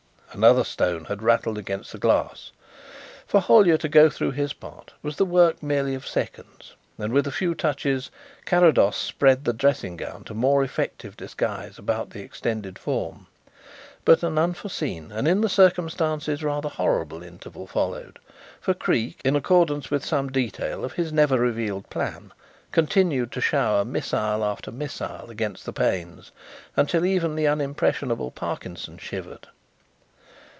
Another stone had rattled against the glass. For Hollyer to go through his part was the work merely of seconds, and with a few touches Carrados spread the dressing gown to more effective disguise about the extended form. But an unforeseen and in the circumstances rather horrible interval followed, for Creake, in accordance with some detail of his never revealed plan, continued to shower missile after missile against the panes until even the unimpressionable Parkinson shivered.